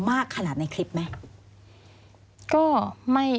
มันจอดอย่างง่ายอย่างง่าย